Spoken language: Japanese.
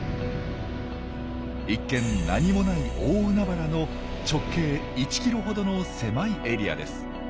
一見何もない大海原の直径１ｋｍほどの狭いエリアです。